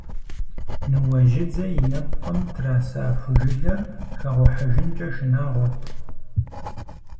Ныуэжьыдзэ и нэпкъым траса ху жылэр хэгъухьыжынкӏэ шынагъуэт.